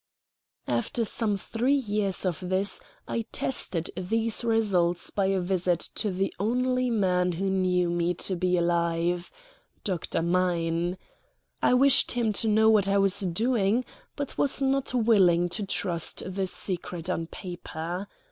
After some three years of this I tested these results by a visit to the only man who knew me to be alive Dr. Mein. I wished him to know what I was doing, but was not willing to trust the secret on paper.